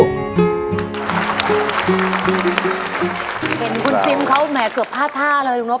เห็นคุณซิมเขาแหมเกือบพลาดท่าเลยลูกนก